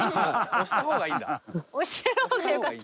押した方がよかった。